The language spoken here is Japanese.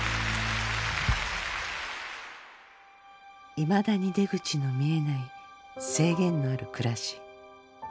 いまだに出口の見えない制限のある暮らし。